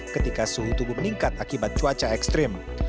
ketika suhu tubuh meningkat akibat cuaca ekstrim